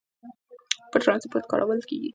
پټ ترانسپورت کارول کېږي.